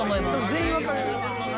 全員わかる。